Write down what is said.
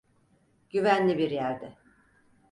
Güvenli bir yerde.